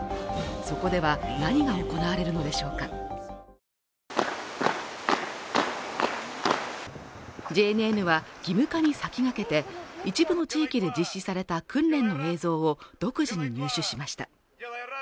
そこでは何が行われるのでしょうかＪＮＮは義務化に先駆けて一部の地域で実施された訓練の映像を独自に入手しました